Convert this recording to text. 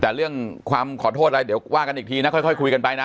แต่เรื่องความขอโทษอะไรเดี๋ยวว่ากันอีกทีนะค่อยคุยกันไปนะ